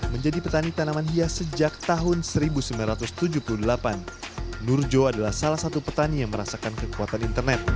menjadi petani tanaman hias sejak tahun seribu sembilan ratus tujuh puluh delapan nurjo adalah salah satu petani yang merasakan kekuatan internet